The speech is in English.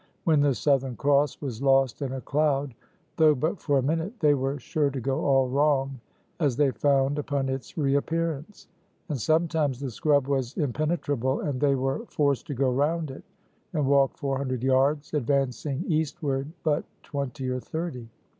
When the Southern Cross was lost in a cloud, though but for a minute, they were sure to go all wrong, as they found upon its reappearance; and sometimes the scrub was impenetrable and they were forced to go round it and walk four hundred yards, advancing eastward but twenty or thirty.